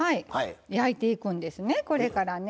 焼いていくんですねこれからね。